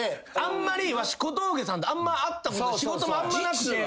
小峠さんとあんま会ったこと仕事もあんまなくて。